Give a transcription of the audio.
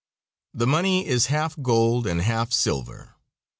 The money is half gold and half silver.